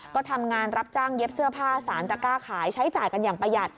ก็ทำงานรับจ้างเย็บเสื้อผ้าสารตะก้าขายใช้จ่ายกันอย่างประหยัด